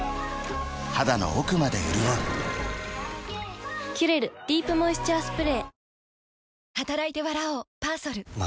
肌の奥まで潤う「キュレルディープモイスチャースプレー」